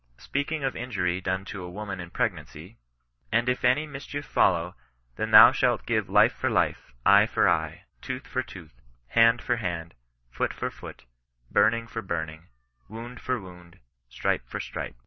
Speaking of injury done to a woman in pregnancy: —^^ And if any mischief follow, then thou shalt give life for life, eye for eye, tooth for tooth, hand for hand, foot for foot, burning for burning, wound for wound, stripe for stripe."